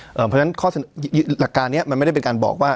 เพราะฉะนั้นข้อหลักการนี้มันไม่ได้เป็นการบอกว่า